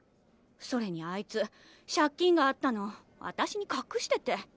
それにあいつ借金があったの私にかくしてて。